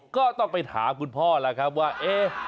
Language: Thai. ก็ต้องไปถามคุณพ่อล่ะครับว่าเอ๊ะ